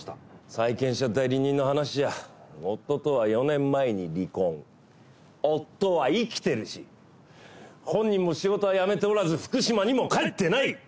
債権者代理人の話じゃ夫とは４年前に離婚夫は生きてるし本人も仕事は辞めておらず福島にも帰ってない！